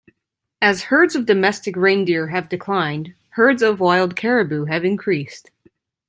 As herds of domestic reindeer have declined, herds of wild caribou have increased.